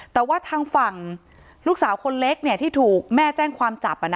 แต่ว่าทางฝั่งลูกสาวคนเล็กที่ถูกแม่แจ้งความจับ